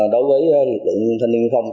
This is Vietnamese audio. đối với lực lượng thanh niên xuân phong